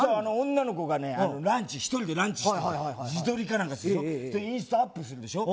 女の子がねランチ１人でランチしてんの自撮りか何かするでしょ？でインスタアップするでしょ？